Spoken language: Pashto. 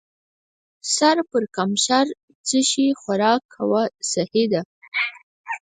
سر پړکمشر: څه شی؟ خوراک کوه، سهي ده.